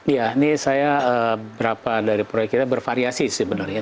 ya ini saya berapa dari proyek kita bervariasi sebenarnya